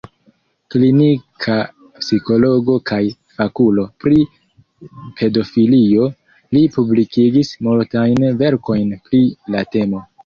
Klinika psikologo kaj fakulo pri pedofilio, li publikigis multajn verkojn pri la temo.